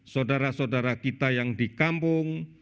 saudara saudara kita yang di kampung